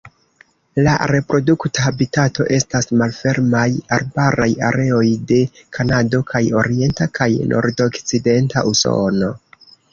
La reprodukta habitato estas malfermaj arbaraj areoj de Kanado kaj orienta kaj nordokcidenta Usono.